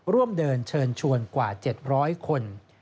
ร่วมเดินเชิญชวนกว่า๗๐๐คน